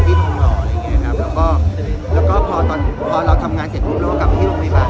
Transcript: พอเรากำลังทำงานเสร็จก็คงเรากลับไปที่บริบาล